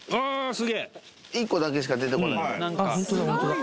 スゲえ１個だけしか出てこない